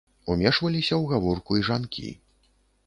Умешваліся ў гаворку і жанкі.